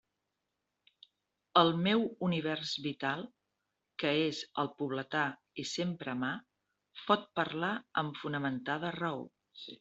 El meu univers vital, que és el pobletà i sempre a mà, pot parlar amb fonamentada raó.